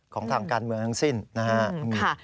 ของทางการเมืองทั้งสิ้นนะครับ